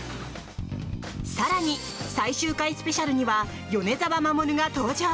更に、最終回スペシャルには米沢守が登場！